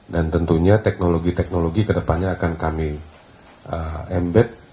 dan tentunya teknologi teknologi kedepannya akan kami embed